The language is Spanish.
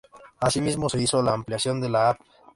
Asimismo se hizo la ampliación de la Av.